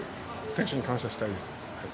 選手に感謝したいです。